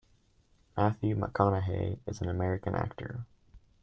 Matthew McConaughey is an American actor.